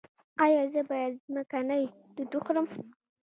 ایا زه باید ځمکنۍ توت وخورم؟